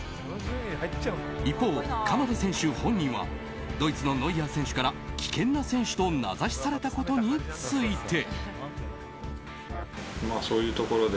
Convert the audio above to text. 一方、鎌田選手本人はドイツのノイアー選手から危険な選手と名指しされたことについて。